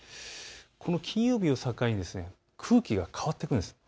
この金曜日を境に空気が変わってくるんです。